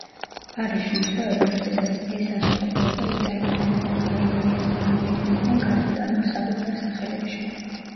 არის შემთხვევები როდესაც ეს ასო გვხვდება იტალიური, პორტუგალიური, ესპანური ენებიდან გადმოტანილ საკუთარ სახელებში.